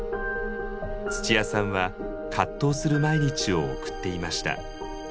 つちやさんは葛藤する毎日を送っていました。